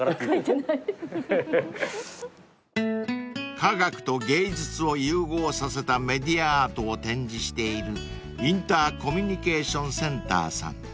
［科学と芸術を融合させたメディアアートを展示しているインターコミュニケーション・センターさん］